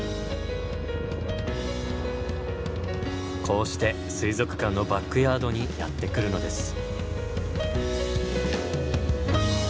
こうして水族館のバックヤードにやって来るのです。